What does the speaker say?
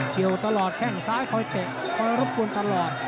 เกี่ยวตลอดแข้งซ้ายคอยเตะคอยรบกวนตลอด